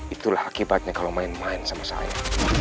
itulah akibatnya kalau main main sama saya